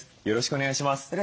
よろしくお願いします。